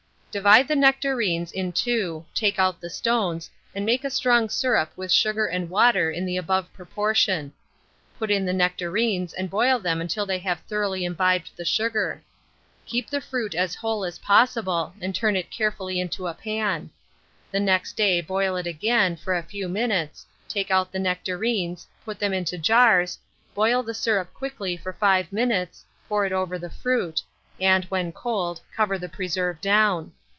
Divide the nectarines in two, take out the stones, and make a strong syrup with sugar and water in the above proportion. Put in the nectarines, and boil them until they have thoroughly imbibed the sugar. Keep the fruit as whole as possible, and turn it carefully into a pan. The next day boil it again for a few minutes, take out the nectarines, put them into jars, boil the syrup quickly for 5 minutes, pour it over the fruit, and, when cold, cover the preserve down.